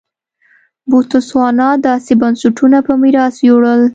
بوتسوانا داسې بنسټونه په میراث یووړل.